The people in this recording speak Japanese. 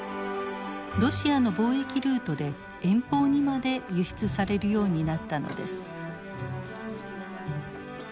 ロシアの貿易ルートで遠方にまで輸出されるようになったのです。